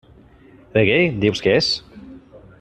Reggae, dius que és?